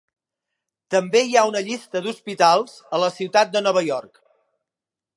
També hi ha una llista d'hospitals a la ciutat de Nueva York.